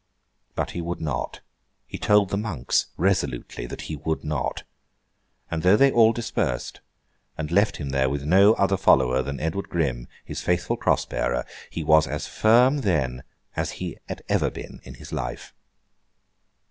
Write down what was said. But he would not. He told the monks resolutely that he would not. And though they all dispersed and left him there with no other follower than Edward Gryme, his faithful cross bearer, he was as firm then, as ever he had been in his life.